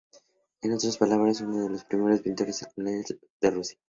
En otras palabras, fue uno de los primeros pintores seculares de Rusia.